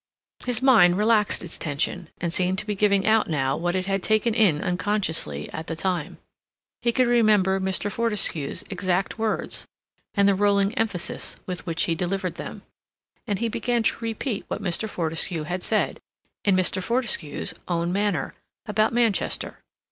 His mind relaxed its tension, and seemed to be giving out now what it had taken in unconsciously at the time. He could remember Mr. Fortescue's exact words, and the rolling emphasis with which he delivered them, and he began to repeat what Mr. Fortescue had said, in Mr. Fortescue's own manner, about Manchester.